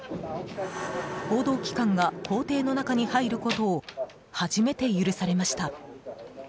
報道機関が公邸の中に入ることを初めて許されました。